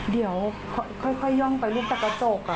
เดี๋ยวค่อยย่องไปลูกตะกะโจกอ่ะ